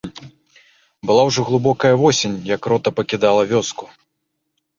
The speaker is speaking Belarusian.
Была ўжо глыбокая восень, як рота пакідала вёску.